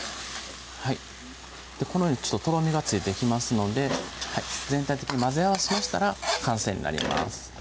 このようにとろみがついてきますので全体的に混ぜ合わせましたら完成になります